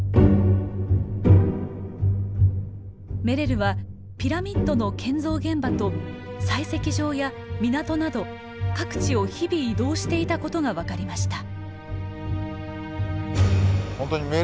メレルはピラミッドの建造現場と採石場や港など各地を日々移動していたことが分かりました。